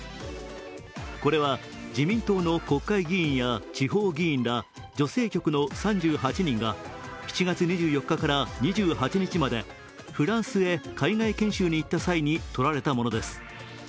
これは、自民党の国会議員や地方議員ら女性局の３８人が７月２４日から２８日までフランスへ海外研修に行った際に撮られたものです。